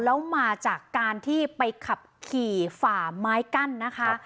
แล้วมาจากการที่ไปขับขี่ฝ่าไม้กั้นนะคะ